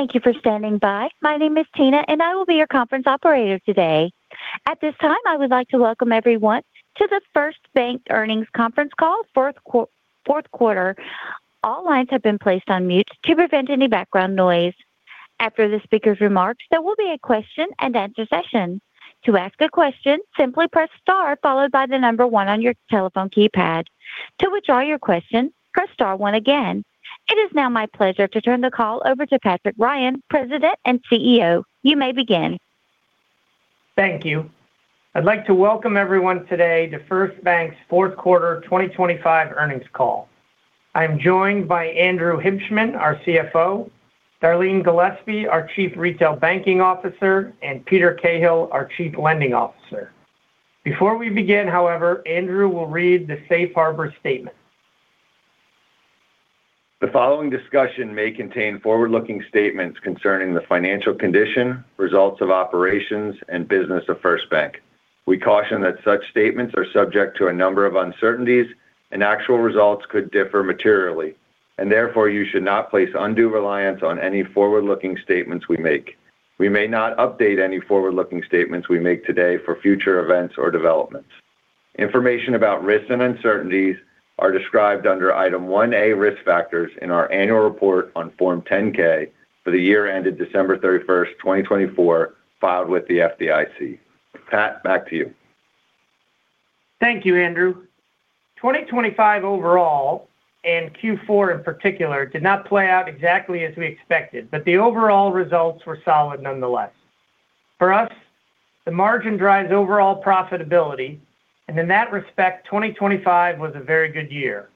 Thank you for standing by. My name is Tina, and I will be your conference operator today. At this time, I would like to welcome everyone to the First Bank Earnings Conference Call, fourth quarter. All lines have been placed on mute to prevent any background noise. After the speaker's remarks, there will be a question and answer session. To ask a question, simply press star followed by the number one on your telephone keypad. To withdraw your question, press star one again. It is now my pleasure to turn the call over to Patrick Ryan, President and CEO. You may begin. Thank you. I'd like to welcome everyone today to First Bank's fourth quarter 2025 earnings call. I'm joined by Andrew Hibshman, our CFO, Darleen Gillespie, our Chief Retail Banking Officer, and Peter Cahill, our Chief Lending Officer. Before we begin, however, Andrew will read the Safe Harbor statement. The following discussion may contain forward-looking statements concerning the financial condition, results of operations, and business of First Bank. We caution that such statements are subject to a number of uncertainties, and actual results could differ materially, and therefore you should not place undue reliance on any forward-looking statements we make. We may not update any forward-looking statements we make today for future events or developments. Information about risks and uncertainties are described under Item 1A, Risk Factors in our annual report on Form 10-K for the year ended December 31, 2024, filed with the FDIC. Pat, back to you. Thank you, Andrew. 2025 overall, and Q4 in particular, did not play out exactly as we expected, but the overall results were solid nonetheless. For us, the margin drives overall profitability, and in that respect, 2025 was a very good year.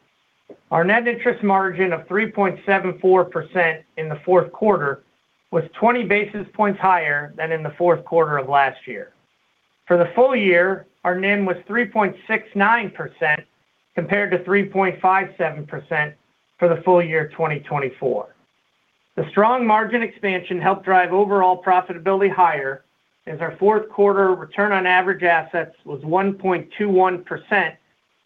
Our net interest margin of 3.74% in the fourth quarter was 20 basis points higher than in the fourth quarter of last year. For the full year, our NIM was 3.69%, compared to 3.57% for the full year 2024. The strong margin expansion helped drive overall profitability higher, as our fourth quarter return on average assets was 1.21%,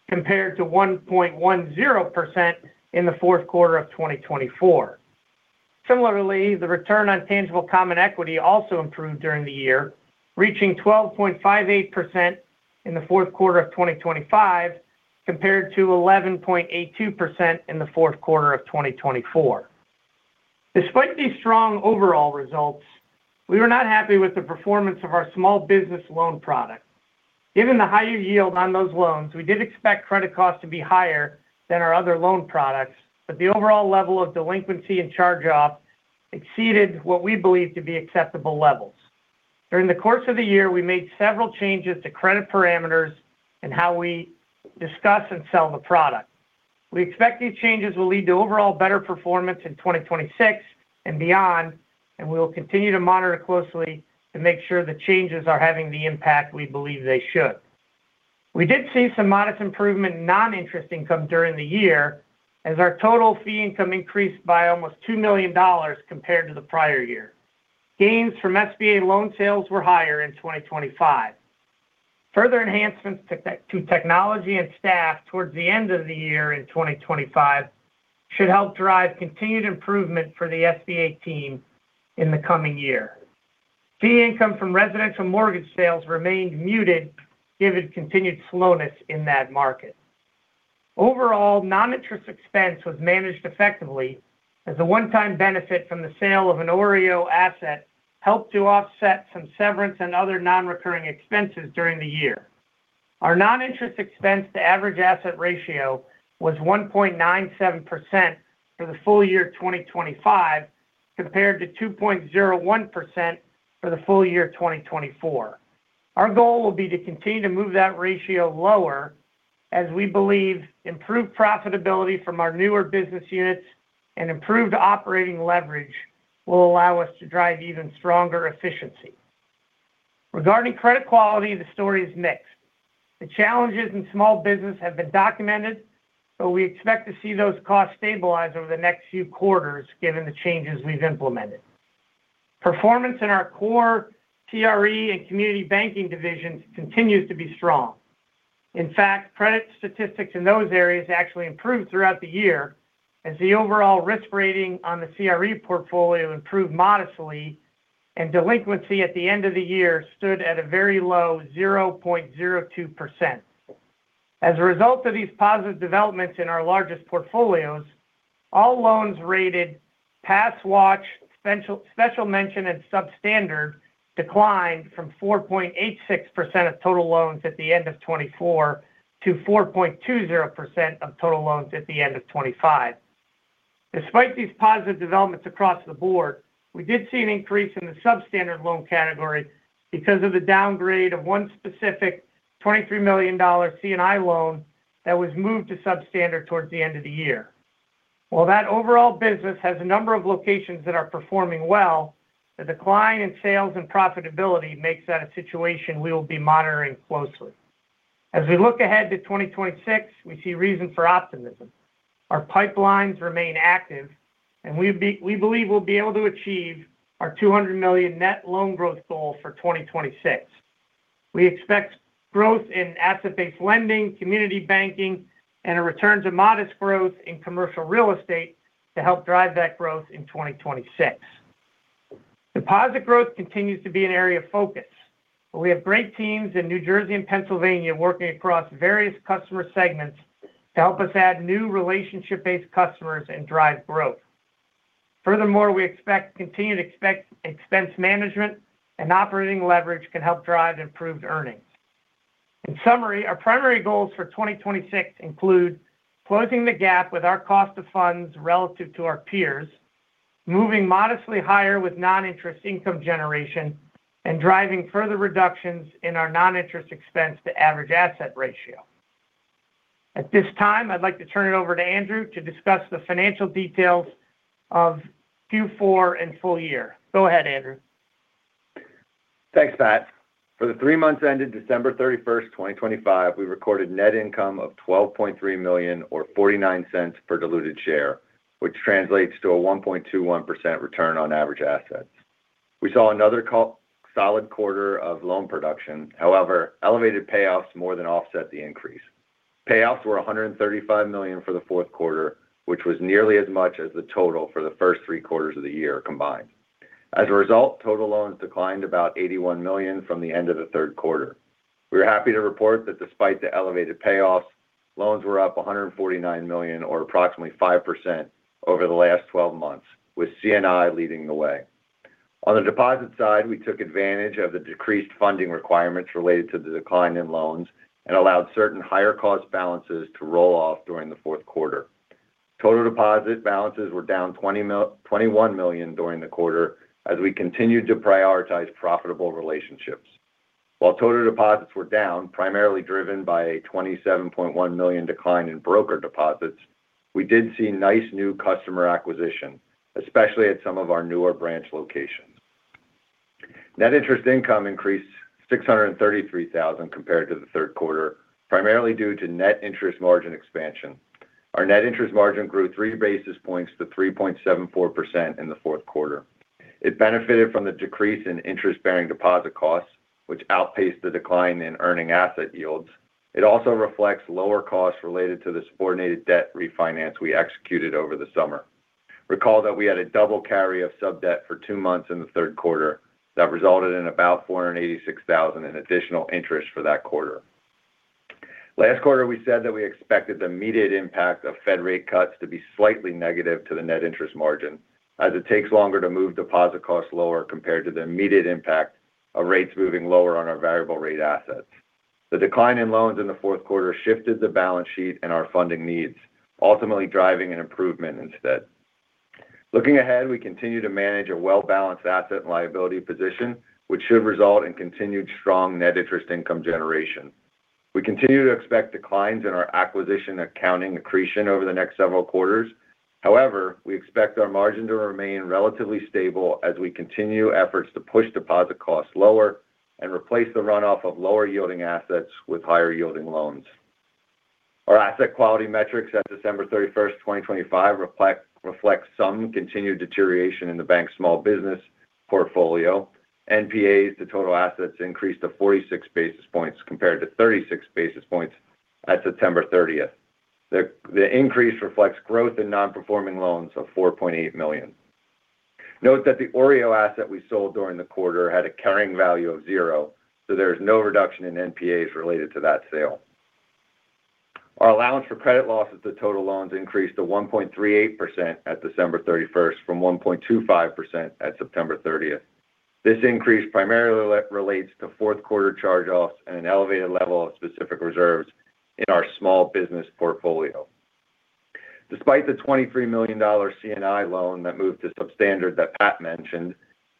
compared to 1.10% in the fourth quarter of 2024. Similarly, the return on tangible common equity also improved during the year, reaching 12.58% in the fourth quarter of 2025, compared to 11.82% in the fourth quarter of 2024. Despite these strong overall results, we were not happy with the performance of our small business loan product. Given the higher yield on those loans, we did expect credit costs to be higher than our other loan products, but the overall level of delinquency and charge-off exceeded what we believe to be acceptable levels. During the course of the year, we made several changes to credit parameters and how we discuss and sell the product. We expect these changes will lead to overall better performance in 2026 and beyond, and we will continue to monitor closely to make sure the changes are having the impact we believe they should. We did see some modest improvement in non-interest income during the year, as our total fee income increased by almost $2 million compared to the prior year. Gains from SBA loan sales were higher in 2025. Further enhancements to technology and staff towards the end of the year in 2025 should help drive continued improvement for the SBA team in the coming year. Fee income from residential mortgage sales remained muted, given continued slowness in that market. Overall, non-interest expense was managed effectively, as a one-time benefit from the sale of an OREO asset helped to offset some severance and other non-recurring expenses during the year. Our non-interest expense to average asset ratio was 1.97% for the full year 2025, compared to 2.01% for the full year 2024. Our goal will be to continue to move that ratio lower, as we believe improved profitability from our newer business units and improved operating leverage will allow us to drive even stronger efficiency. Regarding credit quality, the story is mixed. The challenges in small business have been documented, but we expect to see those costs stabilize over the next few quarters, given the changes we've implemented. Performance in our core CRE and community banking divisions continues to be strong. In fact, credit statistics in those areas actually improved throughout the year, as the overall risk rating on the CRE portfolio improved modestly and delinquency at the end of the year stood at a very low 0.02%. As a result of these positive developments in our largest portfolios, all loans rated pass, watch, special, special mention and substandard declined from 4.86% of total loans at the end of 2024 to 4.20% of total loans at the end of 2025. Despite these positive developments across the board, we did see an increase in the substandard loan category because of the downgrade of one specific $23 million C&I loan that was moved to substandard towards the end of the year. While that overall business has a number of locations that are performing well, the decline in sales and profitability makes that a situation we will be monitoring closely. As we look ahead to 2026, we see reason for optimism. Our pipelines remain active, and we believe we'll be able to achieve our $200 million net loan growth goal for 2026. We expect growth in asset-based lending, community banking, and a return to modest growth in commercial real estate to help drive that growth in 2026. Deposit growth continues to be an area of focus. We have great teams in New Jersey and Pennsylvania working across various customer segments to help us add new relationship-based customers and drive growth. Furthermore, we continue to expect expense management and operating leverage can help drive improved earnings. In summary, our primary goals for 2026 include closing the gap with our cost of funds relative to our peers, moving modestly higher with non-interest income generation, and driving further reductions in our non-interest expense to average asset ratio. At this time, I'd like to turn it over to Andrew to discuss the financial details of Q4 and full year. Go ahead, Andrew. Thanks, Pat. For the three months ended December 31, 2025, we recorded net income of $12.3 million or $0.49 per diluted share, which translates to a 1.21% return on average assets. We saw another call, solid quarter of loan production. However, elevated payoffs more than offset the increase. Payoffs were $135 million for the fourth quarter, which was nearly as much as the total for the first three quarters of the year combined. As a result, total loans declined about $81 million from the end of the third quarter. We are happy to report that despite the elevated payoffs, loans were up $149 million, or approximately 5% over the last 12 months, with C&I leading the way. On the deposit side, we took advantage of the decreased funding requirements related to the decline in loans and allowed certain higher cost balances to roll off during the fourth quarter. Total deposit balances were down $21 million during the quarter as we continued to prioritize profitable relationships. While total deposits were down, primarily driven by a $27.1 million decline in broker deposits, we did see nice new customer acquisition, especially at some of our newer branch locations. Net interest income increased $633,000 compared to the third quarter, primarily due to net interest margin expansion. Our net interest margin grew 3 basis points to 3.74% in the fourth quarter. It benefited from the decrease in interest-bearing deposit costs, which outpaced the decline in earning asset yields. It also reflects lower costs related to the subordinated debt refinance we executed over the summer. Recall that we had a double carry of sub debt for two months in the third quarter that resulted in about $486,000 in additional interest for that quarter. Last quarter, we said that we expected the immediate impact of Fed rate cuts to be slightly negative to the net interest margin, as it takes longer to move deposit costs lower compared to the immediate impact of rates moving lower on our variable rate assets. The decline in loans in the fourth quarter shifted the balance sheet and our funding needs, ultimately driving an improvement instead. Looking ahead, we continue to manage a well-balanced asset and liability position, which should result in continued strong net interest income generation. We continue to expect declines in our acquisition accounting accretion over the next several quarters. However, we expect our margin to remain relatively stable as we continue efforts to push deposit costs lower and replace the runoff of lower yielding assets with higher yielding loans. Our asset quality metrics at December 31, 2025, reflects some continued deterioration in the bank's small business portfolio. NPAs to total assets increased to 46 basis points compared to 36 basis points at September 30. The increase reflects growth in non-performing loans of $4.8 million. Note that the OREO asset we sold during the quarter had a carrying value of zero, so there is no reduction in NPAs related to that sale. Our allowance for credit losses to total loans increased to 1.38% at December 31 from 1.25% at September 30. This increase primarily relates to fourth quarter charge-offs and an elevated level of specific reserves in our small business portfolio. Despite the $23 million C&I loan that moved to substandard that Pat mentioned,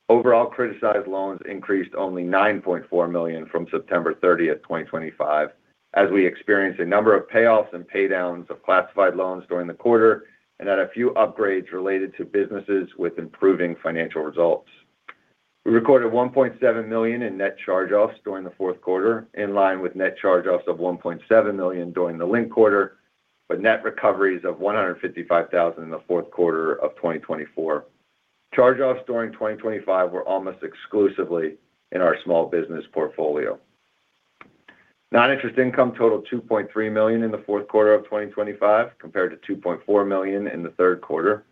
overall criticized loans increased only $9.4 million from September 30, 2025, as we experienced a number of payoffs and pay downs of classified loans during the quarter and had a few upgrades related to businesses with improving financial results. We recorded $1.7 million in net charge-offs during the fourth quarter, in line with net charge-offs of $1.7 million during the linked quarter, but net recoveries of $155,000 in the fourth quarter of 2024. Charge-offs during 2025 were almost exclusively in our small business portfolio. Non-interest income totaled $2.3 million in the fourth quarter of 2025, compared to $2.4 million in the third quarter.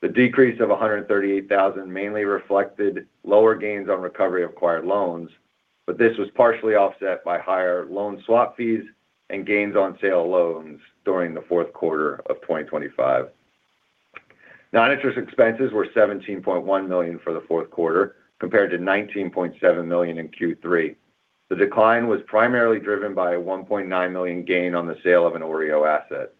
The decrease of $138,000 mainly reflected lower gains on recovery of acquired loans, but this was partially offset by higher loan swap fees and gains on sale of loans during the fourth quarter of 2025. Non-interest expenses were $17.1 million for the fourth quarter, compared to $19.7 million in Q3. The decline was primarily driven by a $1.9 million gain on the sale of an OREO asset.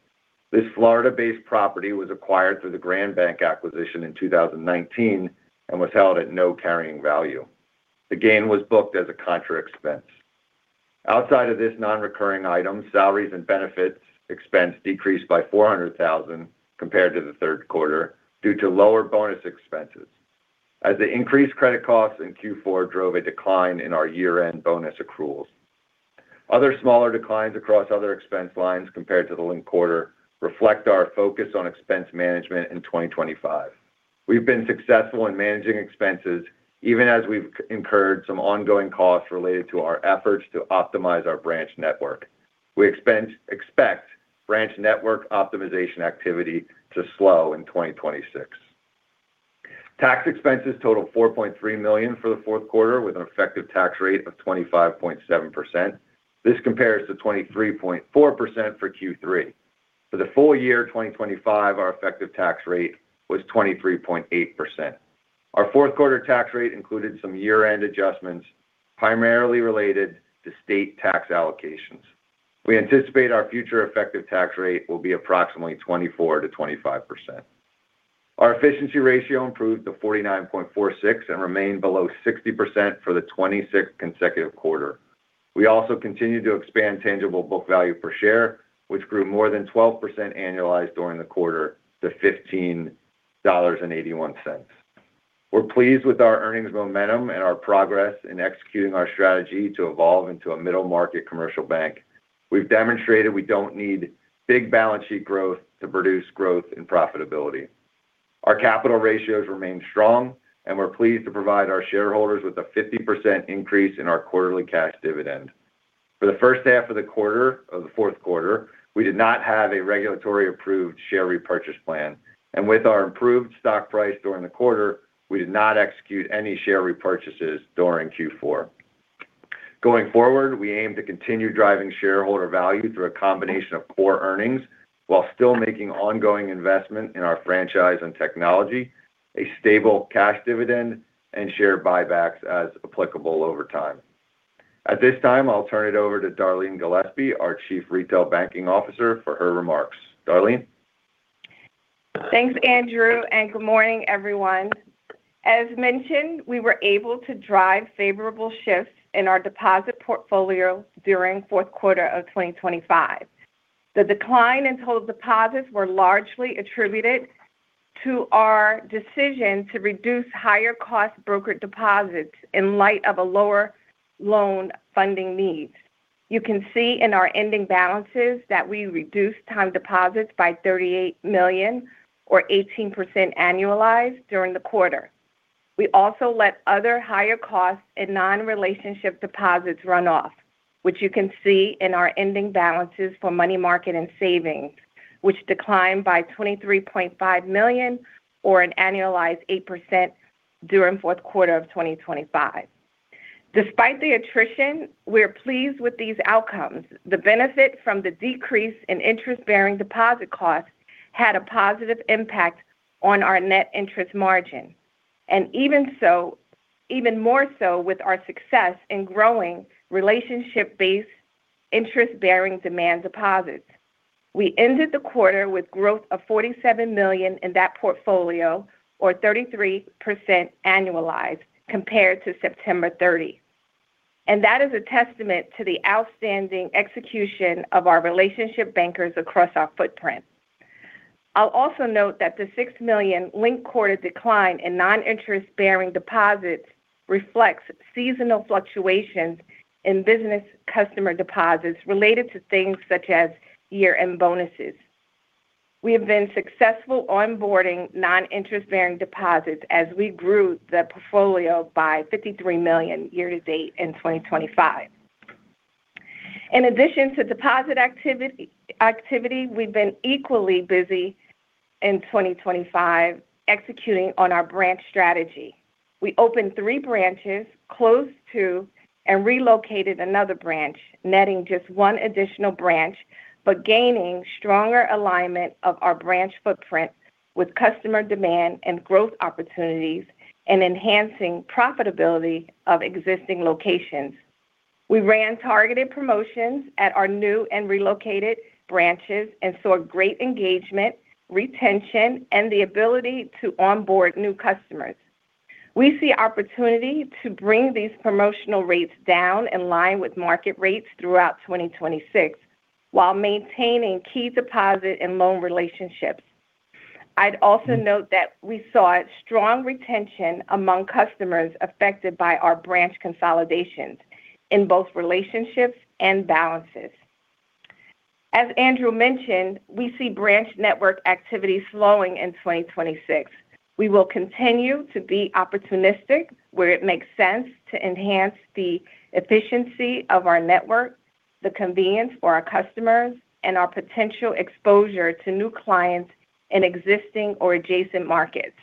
This Florida-based property was acquired through the Grand Bank acquisition in 2019 and was held at no carrying value. The gain was booked as a contra expense. Outside of this non-recurring item, salaries and benefits expense decreased by $400,000 compared to the third quarter due to lower bonus expenses, as the increased credit costs in Q4 drove a decline in our year-end bonus accruals. Other smaller declines across other expense lines compared to the linked quarter reflect our focus on expense management in 2025. We've been successful in managing expenses, even as we've incurred some ongoing costs related to our efforts to optimize our branch network. We expect branch network optimization activity to slow in 2026. Tax expenses totaled $4.3 million for the fourth quarter, with an effective tax rate of 25.7%. This compares to 23.4% for Q3. For the full year 2025, our effective tax rate was 23.8%. Our fourth quarter tax rate included some year-end adjustments, primarily related to state tax allocations. We anticipate our future effective tax rate will be approximately 24%-25%. Our efficiency ratio improved to 49.46 and remained below 60% for the 26th consecutive quarter. We also continued to expand tangible book value per share, which grew more than 12% annualized during the quarter to $15.81. We're pleased with our earnings momentum and our progress in executing our strategy to evolve into a middle-market commercial bank. We've demonstrated we don't need big balance sheet growth to produce growth and profitability. Our capital ratios remain strong, and we're pleased to provide our shareholders with a 50% increase in our quarterly cash dividend. For the first half of the quarter, of the fourth quarter, we did not have a regulatory approved share repurchase plan, and with our improved stock price during the quarter, we did not execute any share repurchases during Q4. Going forward, we aim to continue driving shareholder value through a combination of core earnings while still making ongoing investment in our franchise and technology, a stable cash dividend, and share buybacks as applicable over time. At this time, I'll turn it over to Darlene Gillespie, our Chief Retail Banking Officer, for her remarks. Darlene? Thanks, Andrew, and good morning, everyone. As mentioned, we were able to drive favorable shifts in our deposit portfolio during fourth quarter of 2025. The decline in total deposits were largely attributed to our decision to reduce higher-cost brokered deposits in light of a lower loan funding needs. You can see in our ending balances that we reduced time deposits by $38 million or 18% annualized during the quarter. We also let other higher costs and non-relationship deposits run off, which you can see in our ending balances for money market and savings, which declined by $23.5 million or an annualized 8% during fourth quarter of 2025. Despite the attrition, we're pleased with these outcomes. The benefit from the decrease in interest-bearing deposit costs had a positive impact on our net interest margin. Even so, even more so with our success in growing relationship-based interest-bearing demand deposits. We ended the quarter with growth of $47 million in that portfolio, or 33% annualized compared to September 30. And that is a testament to the outstanding execution of our relationship bankers across our footprint. I'll also note that the $6 million linked quarter decline in non-interest-bearing deposits reflects seasonal fluctuations in business customer deposits related to things such as year-end bonuses. We have been successful onboarding non-interest-bearing deposits as we grew the portfolio by $53 million year to date in 2025. In addition to deposit activity, we've been equally busy in 2025 executing on our branch strategy. We opened three branches, closed two, and relocated another branch, netting just one additional branch, but gaining stronger alignment of our branch footprint with customer demand and growth opportunities and enhancing profitability of existing locations. We ran targeted promotions at our new and relocated branches and saw great engagement, retention, and the ability to onboard new customers. We see opportunity to bring these promotional rates down in line with market rates throughout 2026, while maintaining key deposit and loan relationships. I'd also note that we saw strong retention among customers affected by our branch consolidations in both relationships and balances. As Andrew mentioned, we see branch network activity slowing in 2026. We will continue to be opportunistic where it makes sense to enhance the efficiency of our network, the convenience for our customers, and our potential exposure to new clients in existing or adjacent markets.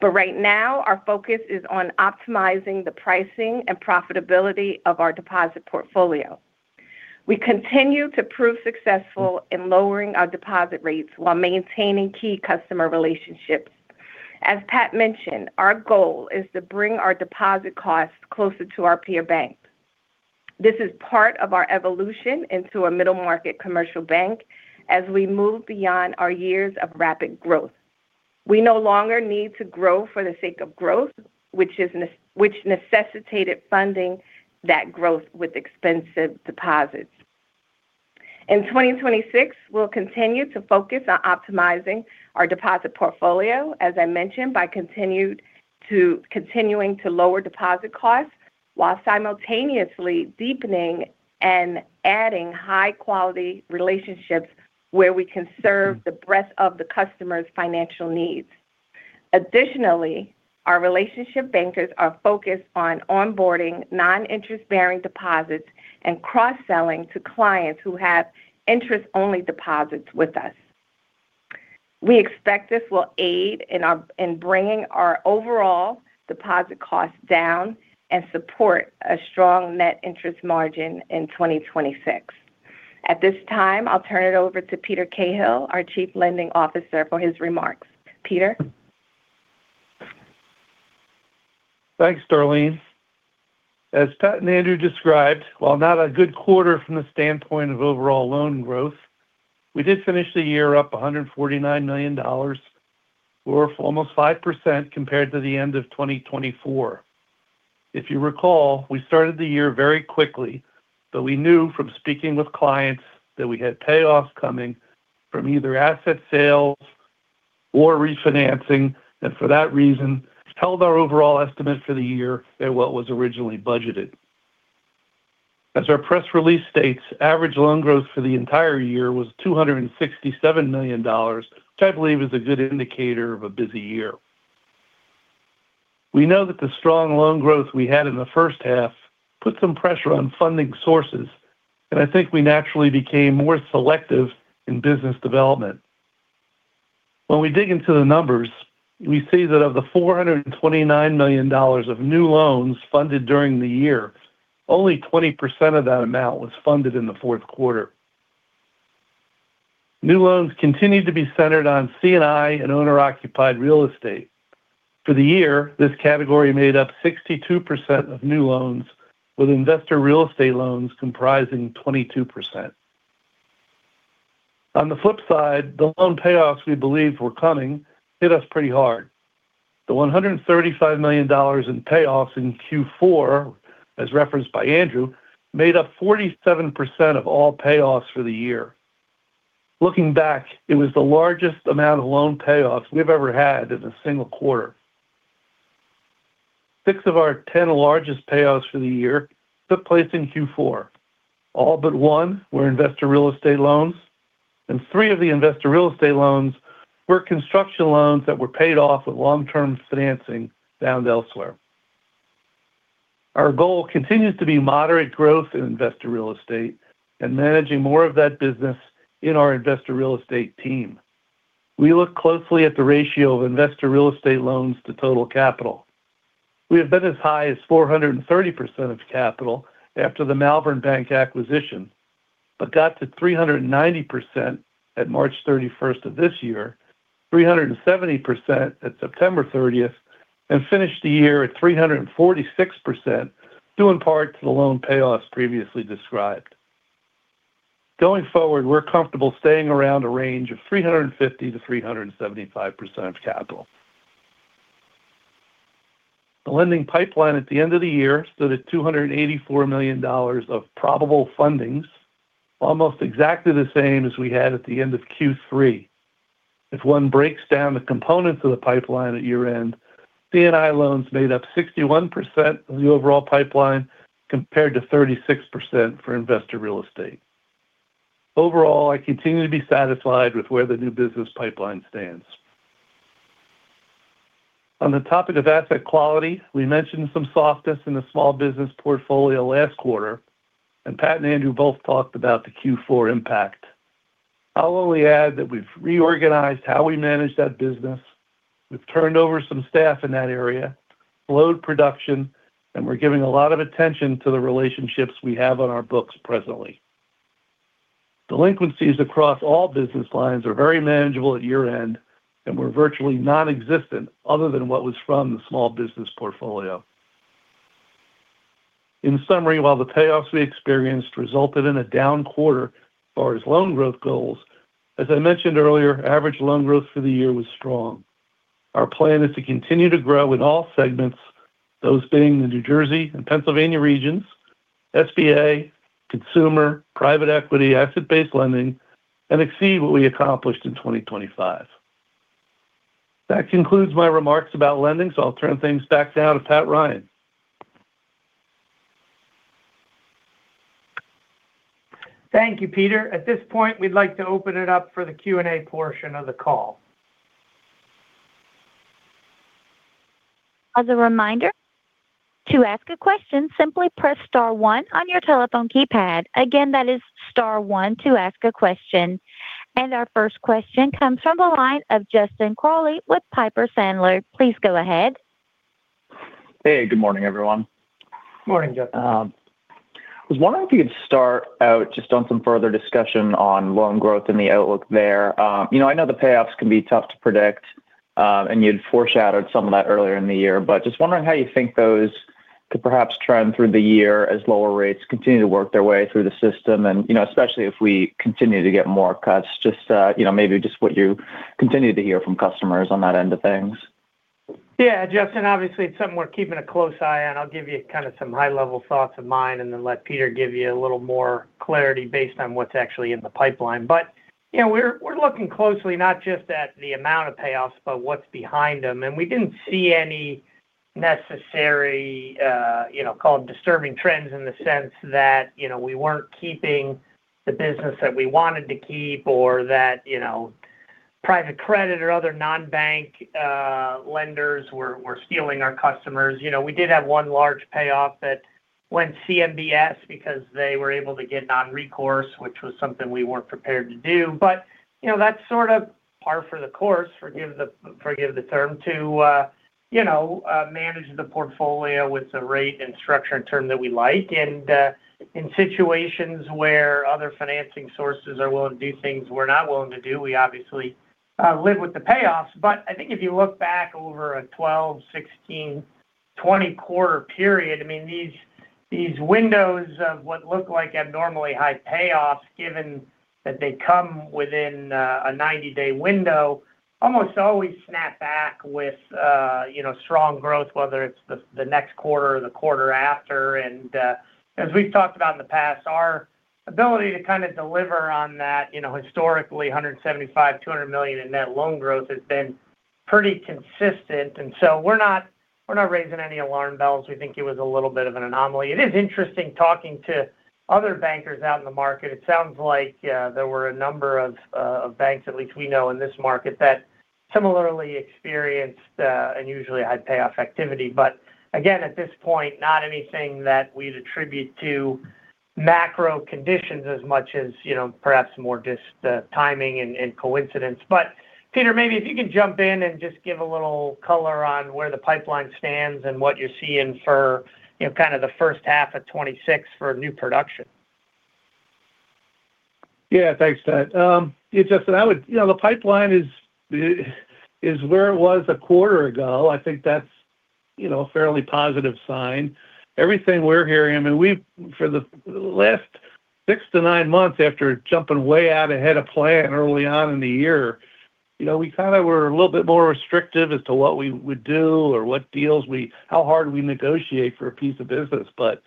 But right now, our focus is on optimizing the pricing and profitability of our deposit portfolio. We continue to prove successful in lowering our deposit rates while maintaining key customer relationships. As Pat mentioned, our goal is to bring our deposit costs closer to our peer banks. This is part of our evolution into a middle-market commercial bank as we move beyond our years of rapid growth. We no longer need to grow for the sake of growth, which necessitated funding that growth with expensive deposits. In 2026, we'll continue to focus on optimizing our deposit portfolio, as I mentioned, by continuing to lower deposit costs, while simultaneously deepening and adding high-quality relationships where we can serve the breadth of the customer's financial needs. Additionally, our relationship bankers are focused on onboarding non-interest-bearing deposits and cross-selling to clients who have interest-only deposits with us. We expect this will aid in bringing our overall deposit costs down and support a strong net interest margin in 2026. At this time, I'll turn it over to Peter Cahill, our Chief Lending Officer, for his remarks. Peter? Thanks, Darlene. As Pat and Andrew described, while not a good quarter from the standpoint of overall loan growth, we did finish the year up $149 million, or almost 5% compared to the end of 2024. If you recall, we started the year very quickly, but we knew from speaking with clients that we had payoffs coming from either asset sales or refinancing, and for that reason, held our overall estimate for the year at what was originally budgeted. As our press release states, average loan growth for the entire year was $267 million, which I believe is a good indicator of a busy year. We know that the strong loan growth we had in the first half put some pressure on funding sources, and I think we naturally became more selective in business development. When we dig into the numbers, we see that of the $429 million of new loans funded during the year, only 20% of that amount was funded in the fourth quarter. New loans continued to be centered on C&I and owner-occupied real estate. For the year, this category made up 62% of new loans, with investor real estate loans comprising 22%. On the flip side, the loan payoffs we believed were coming hit us pretty hard. The $135 million in payoffs in Q4, as referenced by Andrew, made up 47% of all payoffs for the year. Looking back, it was the largest amount of loan payoffs we've ever had in a single quarter. Six of our 10 largest payoffs for the year took place in Q4. All but one were investor real estate loans, and three of the investor real estate loans were construction loans that were paid off with long-term financing found elsewhere. Our goal continues to be moderate growth in investor real estate and managing more of that business in our investor real estate team. We look closely at the ratio of investor real estate loans to total capital. We have been as high as 430% of capital after the Malvern Bank acquisition, but got to 390% at March 31st of this year, 370% at September 30th, and finished the year at 346%, due in part to the loan payoffs previously described. Going forward, we're comfortable staying around a range of 350%-375% of capital. The lending pipeline at the end of the year stood at $284 million of probable fundings, almost exactly the same as we had at the end of Q3. If one breaks down the components of the pipeline at year-end, C&I loans made up 61% of the overall pipeline, compared to 36% for investor real estate. Overall, I continue to be satisfied with where the new business pipeline stands. On the topic of asset quality, we mentioned some softness in the small business portfolio last quarter, and Pat and Andrew both talked about the Q4 impact. I'll only add that we've reorganized how we manage that business. We've turned over some staff in that area, slowed production, and we're giving a lot of attention to the relationships we have on our books presently. Delinquencies across all business lines are very manageable at year-end, and were virtually nonexistent other than what was from the small business portfolio. In summary, while the payoffs we experienced resulted in a down quarter as far as loan growth goals, as I mentioned earlier, average loan growth for the year was strong. Our plan is to continue to grow in all segments, those being the New Jersey and Pennsylvania regions, SBA, consumer, private equity, asset-based lending, and exceed what we accomplished in 2025. That concludes my remarks about lending, so I'll turn things back down to Pat Ryan. Thank you, Peter. At this point, we'd like to open it up for the Q&A portion of the call. As a reminder, to ask a question, simply press star one on your telephone keypad. Again, that is star one to ask a question. And our first question comes from the line of Justin Crowley with Piper Sandler. Please go ahead. Hey, good morning, everyone. Good morning, Justin. I was wondering if you could start out just on some further discussion on loan growth and the outlook there. You know, I know the payoffs can be tough to predict, and you'd foreshadowed some of that earlier in the year, but just wondering how you think those could perhaps trend through the year as lower rates continue to work their way through the system and, you know, especially if we continue to get more cuts, just, you know, maybe just what you continue to hear from customers on that end of things? Yeah, Justin, obviously, it's something we're keeping a close eye on. I'll give you kind of some high-level thoughts of mine, and then let Peter give you a little more clarity based on what's actually in the pipeline. But, you know, we're looking closely, not just at the amount of payoffs, but what's behind them. And we didn't see any necessary, you know, call it disturbing trends in the sense that, you know, we weren't keeping the business that we wanted to keep or that, you know, private credit or other non-bank lenders were stealing our customers. You know, we did have one large payoff that went CMBS because they were able to get non-recourse, which was something we weren't prepared to do. But, you know, that's sort of par for the course, forgive the- forgive the term, to, you know, manage the portfolio with the rate and structure and term that we like. And, in situations where other financing sources are willing to do things we're not willing to do, we obviously, live with the payoffs. But I think if you look back over a 12, 16, 20-quarter period, I mean, these, these windows of what look like abnormally high payoffs, given that they come within, a 90-day window, almost always snap back with, you know, strong growth, whether it's the, the next quarter or the quarter after. As we've talked about in the past, our ability to kind of deliver on that, you know, historically, $175 million-$200 million in net loan growth has been pretty consistent, and so we're not, we're not raising any alarm bells. We think it was a little bit of an anomaly. It is interesting talking to other bankers out in the market. It sounds like there were a number of banks, at least we know in this market, that similarly experienced unusually high payoff activity. But again, at this point, not anything that we'd attribute to macro conditions as much as, you know, perhaps more just timing and coincidence. Peter, maybe if you can jump in and just give a little color on where the pipeline stands and what you're seeing for, you know, kind of the first half of 2026 for new production. Yeah. Thanks, Pat. Yeah, Justin, I would—you know, the pipeline is where it was a quarter ago. I think that's, you know, a fairly positive sign. Everything we're hearing, I mean, we've for the last six to nine months after jumping way out ahead of plan early on in the year, you know, we kind of were a little bit more restrictive as to what we would do or what deals we—how hard we negotiate for a piece of business. But,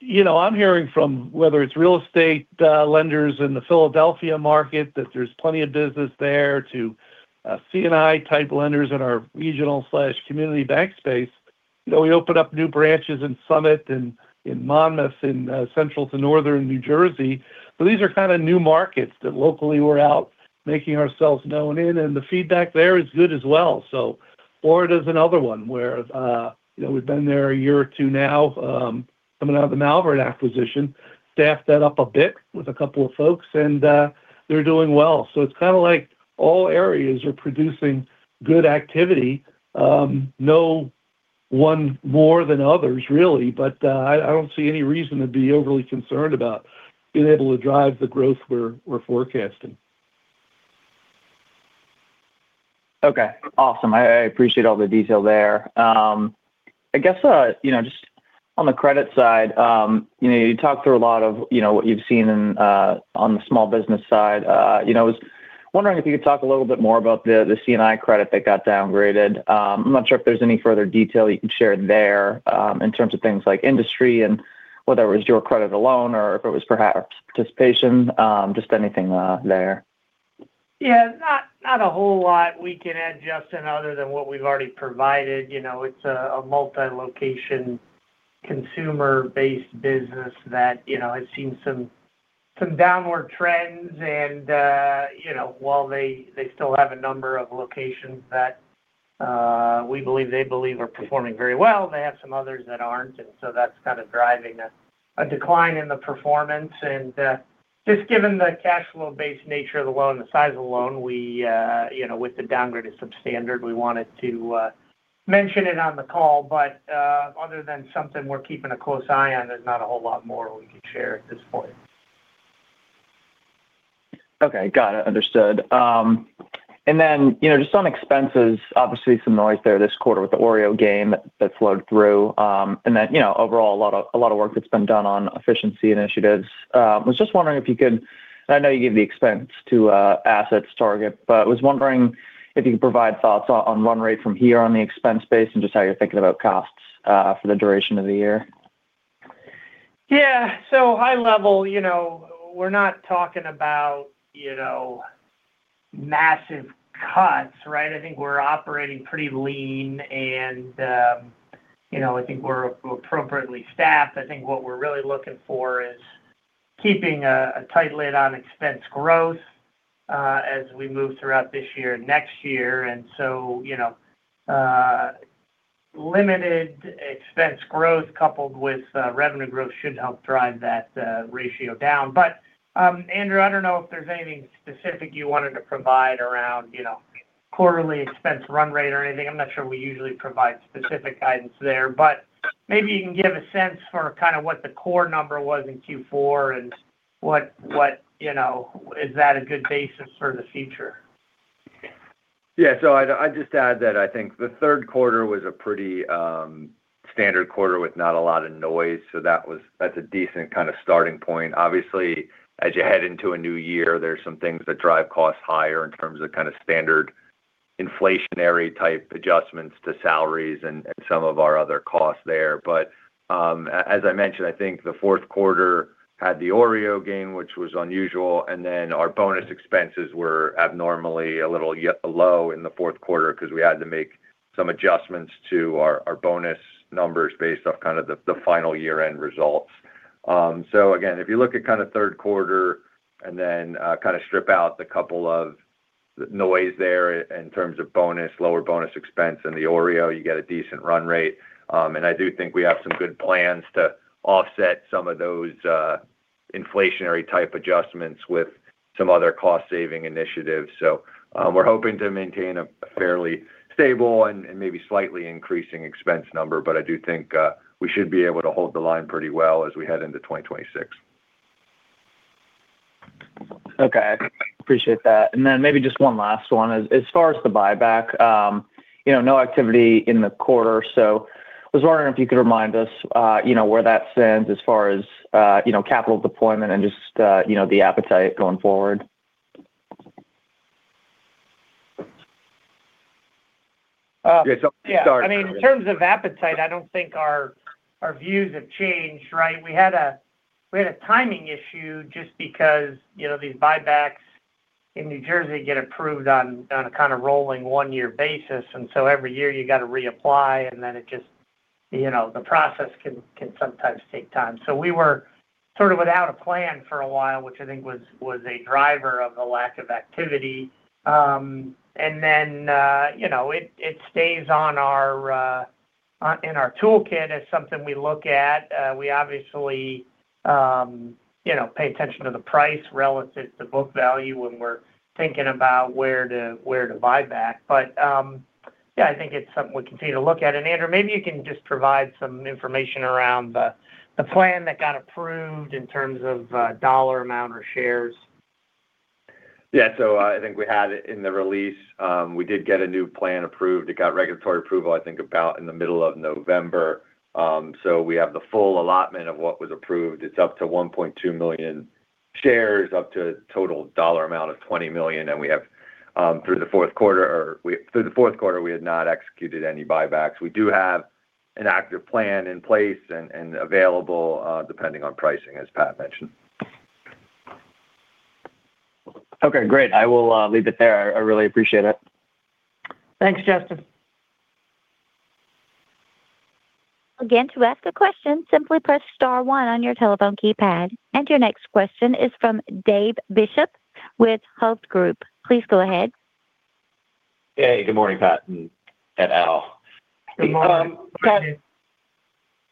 you know, I'm hearing from, whether it's real estate lenders in the Philadelphia market, that there's plenty of business there to C&I type lenders in our regional/community bank space. You know, we opened up new branches in Summit and in Monmouth, in central to northern New Jersey, so these are kind of new markets that locally we're out making ourselves known in, and the feedback there is good as well. So Florida is another one where you know, we've been there a year or two now, coming out of the Malvern acquisition, staffed that up a bit with a couple of folks, and they're doing well. So it's kind of like all areas are producing good activity, no one more than others, really, but I don't see any reason to be overly concerned about being able to drive the growth we're forecasting. Okay, awesome. I appreciate all the detail there. I guess, you know, just on the credit side, you know, you talked through a lot of, you know, what you've seen in, on the small business side. You know, I was wondering if you could talk a little bit more about the C&I credit that got downgraded. I'm not sure if there's any further detail you can share there, in terms of things like industry and whether it was your credit alone or if it was perhaps participation, just anything, there. Yeah. Not a whole lot we can add, Justin, other than what we've already provided. You know, it's a multi-location, consumer-based business that, you know, has seen some downward trends and, you know, while they still have a number of locations that we believe they believe are performing very well, they have some others that aren't, and so that's kind of driving a decline in the performance. And just given the cash flow-based nature of the loan and the size of the loan, we, you know, with the downgrade to substandard, we wanted to mention it on the call. But other than something we're keeping a close eye on, there's not a whole lot more we can share at this point. Okay. Got it. Understood. And then, you know, just on expenses, obviously, some noise there this quarter with the OREO gain that flowed through, and then, you know, overall, a lot of, a lot of work that's been done on efficiency initiatives. Was just wondering if you could—I know you gave the expense-to-assets target, but I was wondering if you could provide thoughts on run rate from here on the expense base and just how you're thinking about costs for the duration of the year. Yeah. So high level, you know, we're not talking about, you know, massive cuts, right? I think we're operating pretty lean and, you know, I think we're appropriately staffed. I think what we're really looking for is keeping a tight lid on expense growth as we move throughout this year and next year. And so, you know, limited expense growth coupled with revenue growth should help drive that ratio down. But, Andrew, I don't know if there's anything specific you wanted to provide around, you know, quarterly expense run rate or anything. I'm not sure we usually provide specific guidance there. But maybe you can give a sense for kind of what the core number was in Q4 and what you know, is that a good basis for the future? Yeah. So I'd, I'd just add that I think the third quarter was a pretty standard quarter with not a lot of noise, so that was-- that's a decent kind of starting point. Obviously, as you head into a new year, there's some things that drive costs higher in terms of kind of standard inflationary type adjustments to salaries and, and some of our other costs there. But, as I mentioned, I think the fourth quarter had the OREO gain, which was unusual, and then our bonus expenses were abnormally a little low in the fourth quarter because we had to make some adjustments to our, our bonus numbers based off kind of the, the final year-end results. So again, if you look at kind of third quarter and then kind of strip out the couple of noise there in terms of bonus, lower bonus expense and the OREO, you get a decent run rate. And I do think we have some good plans to offset some of those inflationary type adjustments with some other cost-saving initiatives. We're hoping to maintain a fairly stable and maybe slightly increasing expense number, but I do think we should be able to hold the line pretty well as we head into 2026. Okay, appreciate that. And then maybe just one last one. As far as the buyback, you know, no activity in the quarter, so I was wondering if you could remind us, you know, where that stands as far as, you know, capital deployment and just, you know, the appetite going forward? Yeah, so- Yeah, I mean, in terms of appetite, I don't think our views have changed, right? We had a timing issue just because, you know, these buybacks in New Jersey get approved on a kind of rolling one-year basis, and so every year you got to reapply, and then it just, you know, the process can sometimes take time. So we were sort of without a plan for a while, which I think was a driver of the lack of activity. And then, you know, it stays in our toolkit as something we look at. We obviously, you know, pay attention to the price relative to book value when we're thinking about where to buy back. But, yeah, I think it's something we continue to look at. Andrew, maybe you can just provide some information around the plan that got approved in terms of dollar amount or shares. Yeah. So I think we had it in the release. We did get a new plan approved. It got regulatory approval, I think, about in the middle of November. So we have the full allotment of what was approved. It's up to 1.2 million shares, up to a total dollar amount of $20 million, and we have, through the fourth quarter, we had not executed any buybacks. We do have an active plan in place and available, depending on pricing, as Pat mentioned. Okay, great. I will leave it there. I really appreciate it. Thanks, Justin. Again, to ask a question, simply press star one on your telephone keypad. Your next question is from Dave Bishop with Hovde Group. Please go ahead. Hey, good morning, Pat and Al. Good morning. Pat,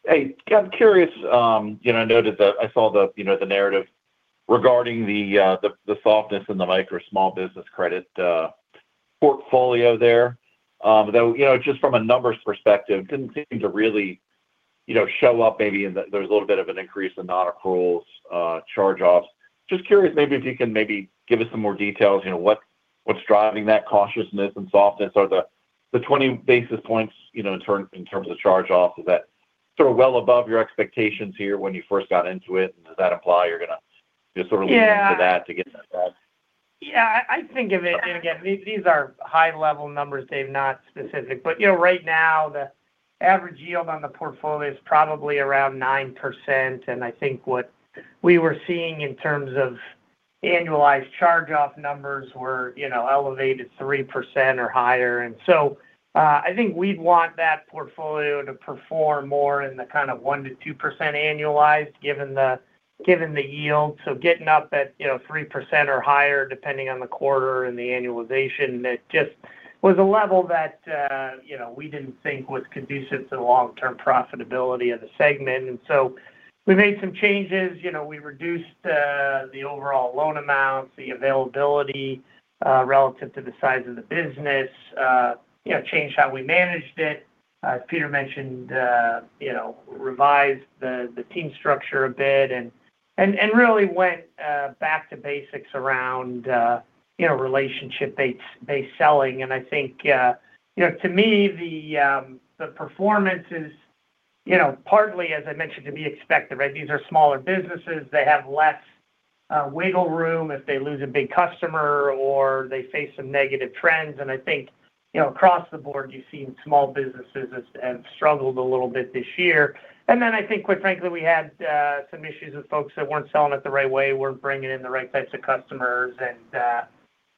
hey, I'm curious. You know, I noted that I saw the, you know, the narrative regarding the softness in the micro small business credit portfolio there. Though, you know, just from a numbers perspective, it didn't seem to really, you know, show up maybe in the— there was a little bit of an increase in nonaccruals, charge-offs. Just curious, maybe if you can maybe give us some more details, you know, what, what's driving that cautiousness and softness or the 20 basis points, you know, in terms of charge-off? Is that sort of well above your expectations here when you first got into it, and does that imply you're going to just sort of- Yeah lead into that to get that back? Yeah, I think of it, and again, these are high-level numbers, Dave, not specific. But, you know, right now, the average yield on the portfolio is probably around 9%, and I think what we were seeing in terms of annualized charge-off numbers were, you know, elevated 3% or higher. And so, I think we'd want that portfolio to perform more in the kind of 1%-2% annualized, given the yield. So getting up at, you know, 3% or higher, depending on the quarter and the annualization, it just was a level that, you know, we didn't think was conducive to the long-term profitability of the segment. And so we made some changes. You know, we reduced the overall loan amounts, the availability relative to the size of the business, you know, changed how we managed it. Peter mentioned, you know, revised the team structure a bit and really went back to basics around, you know, relationship-based selling. And I think, you know, to me, the performance is, you know, partly, as I mentioned, to be expected, right? These are smaller businesses. They have less wiggle room if they lose a big customer or they face some negative trends. And I think, you know, across the board, you've seen small businesses have struggled a little bit this year. And then I think, quite frankly, we had some issues with folks that weren't selling it the right way, weren't bringing in the right types of customers, and,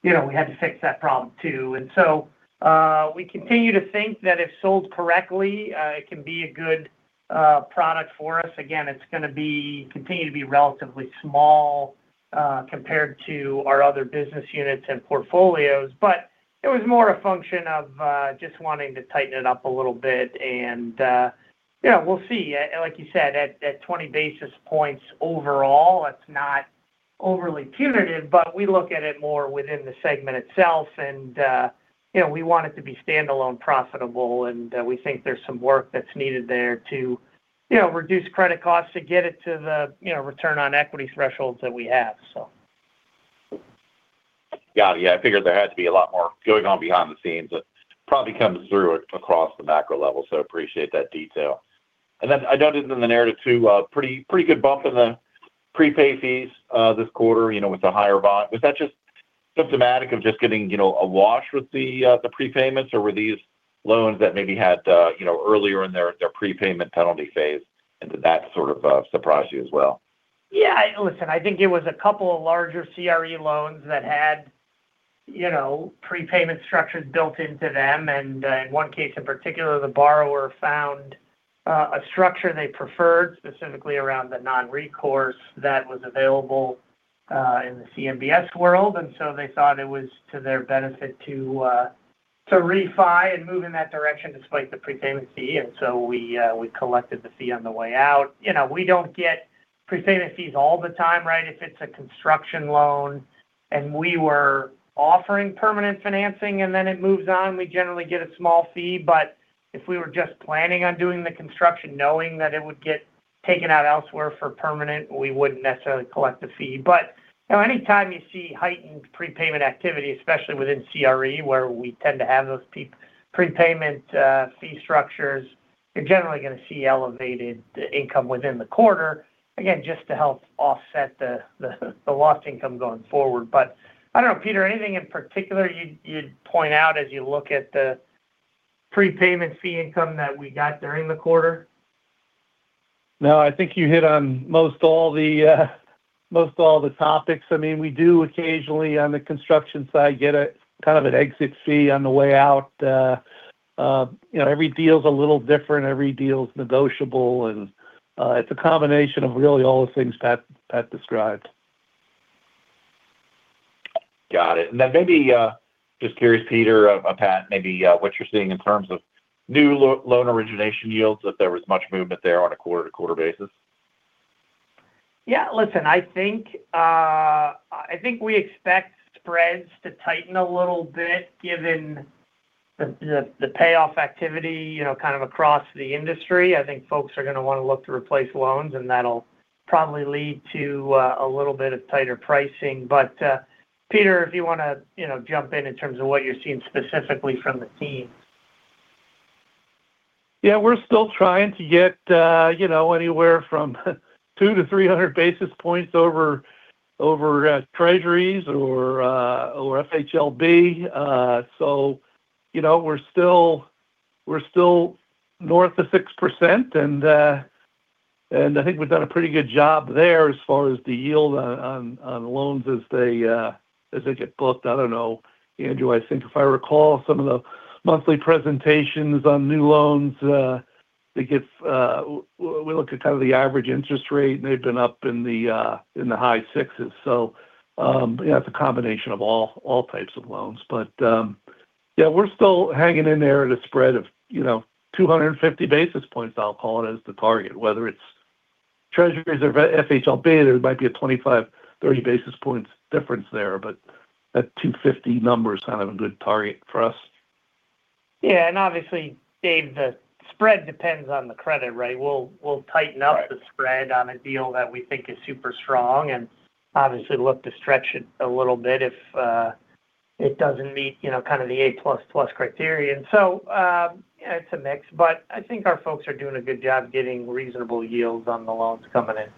you know, we had to fix that problem too. We continue to think that if sold correctly, it can be a good product for us. Again, it's going to continue to be relatively small, compared to our other business units and portfolios, but it was more a function of just wanting to tighten it up a little bit and, yeah, we'll see. Like you said, at 20 basis points overall, it's not overly punitive, but we look at it more within the segment itself and, you know, we want it to be standalone profitable, and we think there's some work that's needed there to, you know, reduce credit costs to get it to the, you know, return on equity thresholds that we have, so. Got it. Yeah, I figured there had to be a lot more going on behind the scenes, but probably comes through across the macro level, so appreciate that detail. And then I noted in the narrative, too, pretty, pretty good bump in the prepaid fees, this quarter, you know, with the higher vol. Was that just symptomatic of just getting, you know, awash with the prepayments, or were these loans that maybe had, you know, earlier in their prepayment penalty phase, and did that sort of surprise you as well? Yeah, listen, I think it was a couple of larger CRE loans that had, you know, prepayment structures built into them. And, in one case in particular, the borrower found a structure they preferred, specifically around the non-recourse that was available in the CMBS world. And so they thought it was to their benefit to refi and move in that direction despite the prepayment fee. And so we collected the fee on the way out. You know, we don't get prepayment fees all the time, right? If it's a construction loan and we were offering permanent financing and then it moves on, we generally get a small fee. But if we were just planning on doing the construction, knowing that it would get taken out elsewhere for permanent, we wouldn't necessarily collect a fee. But, you know, anytime you see heightened prepayment activity, especially within CRE, where we tend to have those prepayment fee structures, you're generally going to see elevated income within the quarter. Again, just to help offset the lost income going forward. But I don't know, Peter, anything in particular you'd point out as you look at the prepayment fee income that we got during the quarter? No, I think you hit on most all the most all the topics. I mean, we do occasionally, on the construction side, get a kind of an exit fee on the way out. You know, every deal is a little different, every deal is negotiable, and it's a combination of really all the things Pat, Pat described. Got it. And then maybe, just curious, Peter, or Pat, maybe, what you're seeing in terms of new loan origination yields, if there was much movement there on a quarter-to-quarter basis? Yeah, listen, I think I think we expect spreads to tighten a little bit, given the payoff activity, you know, kind of across the industry. I think folks are going to want to look to replace loans, and that'll probably lead to a little bit of tighter pricing. But, Peter, if you want to, you know, jump in terms of what you're seeing specifically from the team. Yeah, we're still trying to get, you know, anywhere from 200 basis points-300 basis points over, over, Treasuries or, or FHLB. So, you know, we're still, we're still north of 6%, and, and I think we've done a pretty good job there as far as the yield on, on, on loans as they, as they get booked. I don't know, Andrew, I think if I recall some of the monthly presentations on new loans, they get... We look at kind of the average interest rate, and they've been up in the, in the high 6s. So, yeah, it's a combination of all, all types of loans. But, yeah, we're still hanging in there at a spread of, you know, 250 basis points, I'll call it, as the target. Whether it's Treasuries or FHLB, there might be a 25 basis points-30 basis points difference there, but that 250 number is kind of a good target for us. Yeah, and obviously, Dave, the spread depends on the credit, right? We'll, we'll tighten up- Right The spread on a deal that we think is super strong and obviously look to stretch it a little bit if it doesn't meet, you know, kind of the A criteria. And so, it's a mix, but I think our folks are doing a good job getting reasonable yields on the loans coming in.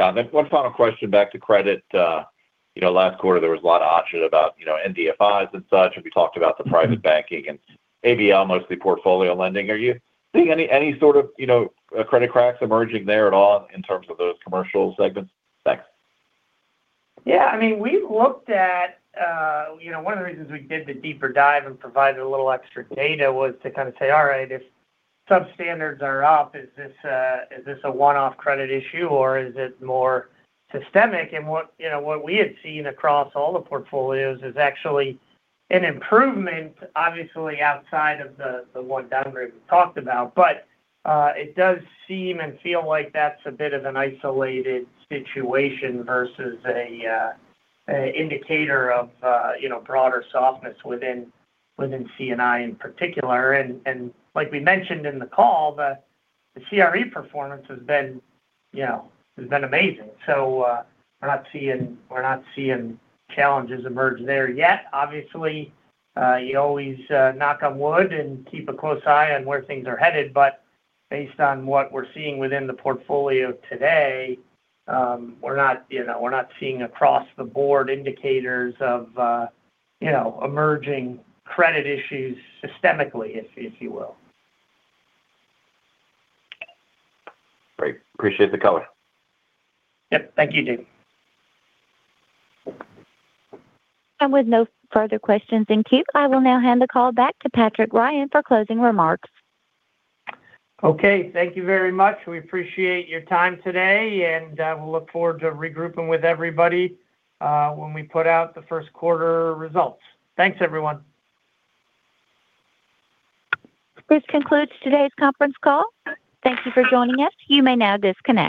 Got it. One final question back to credit. You know, last quarter, there was a lot of discussion about, you know, NBFIs and such, and we talked about the private banking and ABL, mostly portfolio lending. Are you seeing any sort of, you know, credit cracks emerging there at all in terms of those commercial segments? Thanks. Yeah, I mean, we've looked at, you know, one of the reasons we did the deeper dive and provided a little extra data was to kind of say, all right, if substandards are up, is this a, is this a one-off credit issue, or is it more systemic? And what, you know, what we had seen across all the portfolios is actually an improvement, obviously, outside of the, the one downgrade we talked about. But, it does seem and feel like that's a bit of an isolated situation versus a indicator of, you know, broader softness within, within C&I in particular. And, and like we mentioned in the call, the, the CRE performance has been, you know, has been amazing. So, we're not seeing, we're not seeing challenges emerge there yet. Obviously, you always knock on wood and keep a close eye on where things are headed. But based on what we're seeing within the portfolio today, we're not, you know, we're not seeing across-the-board indicators of, you know, emerging credit issues systemically, if you will. Great. Appreciate the color. Yep. Thank you, Dave. With no further questions in queue, I will now hand the call back to Patrick Ryan for closing remarks. Okay. Thank you very much. We appreciate your time today, and we'll look forward to regrouping with everybody, when we put out the first quarter results. Thanks, everyone. This concludes today's conference call. Thank you for joining us. You may now disconnect.